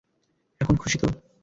এখন খুশি তো?